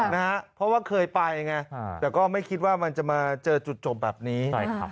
เพราะว่าเคยไปไงแต่ก็ไม่คิดว่ามันจะมาเจอจุดจบแบบนี้